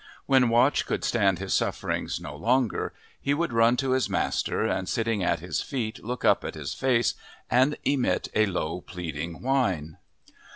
When Watch could stand his sufferings no longer, he would run to his master, and sitting at his feet look up at his face and emit a low, pleading whine.